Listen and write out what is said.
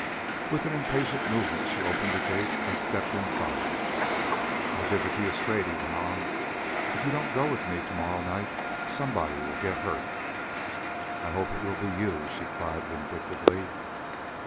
With an impatient movement she opened the gate and stepped inside. "I've given it to you straight," he went on. "If you don't go with me to morrow night somebody'll get hurt." "I hope it will be you," she cried vindictively.